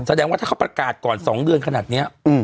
แสดงว่าถ้าเขาประกาศก่อน๒เดือนขนาดนี้